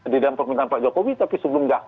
tidak pernah dengan pak jokowi tapi sebelum dah